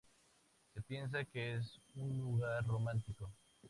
Se piensa que es un lugar romántico.